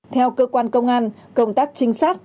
theo cơ quan công an công tác trinh sát